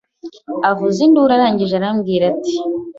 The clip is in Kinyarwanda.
avuza induru arangije arambwira ati